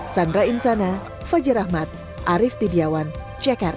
sandra insana fajar ahmad arief tidiawan jakarta